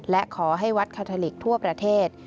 และขอให้วัดคาทาลิกทั่วประเทศ